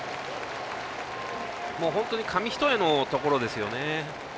本当に紙一重のところですね。